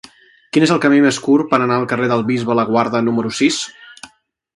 Quin és el camí més curt per anar al carrer del Bisbe Laguarda número sis?